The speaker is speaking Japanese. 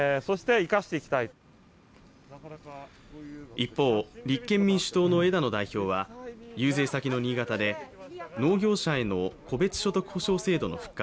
一方、立憲民主党の枝野代表は遊説先の新潟で農業者への戸別所得補償制度の復活